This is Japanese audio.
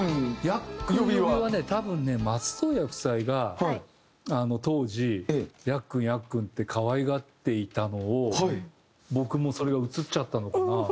「やっくん」呼びはね多分ね松任谷夫妻が当時やっくんやっくんって可愛がっていたのを僕もそれが移っちゃったのかな？